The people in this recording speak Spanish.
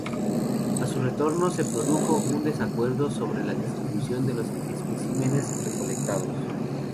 A su retorno, se produjo un desacuerdo sobre la distribución de los especímenes recolectados.